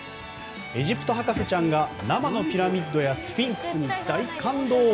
エジプト博士ちゃんが生のピラミッドやスフィンクスに大感動！